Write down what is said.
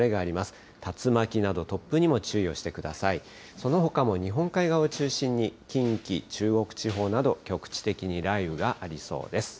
そのほかも日本海側を中心に近畿、中国地方など局地的に雷雨がありそうです。